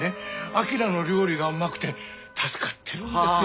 彬の料理がうまくて助かってるんですよ。